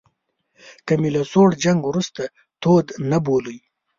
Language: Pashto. که مې له سوړ جنګ وروسته تود نه بولئ.